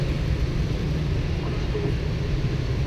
Ҡурҡыныс түгел.